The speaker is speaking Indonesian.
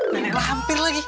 nenek lampir lagi